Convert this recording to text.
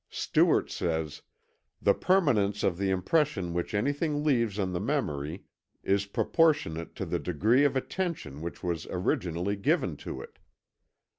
Stewart says: "The permanence of the impression which anything leaves on the memory, is proportionate to the degree of attention which was originally given to it."